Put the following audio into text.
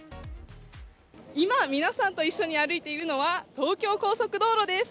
今皆さんと一緒に歩いているのは東京高速道路です。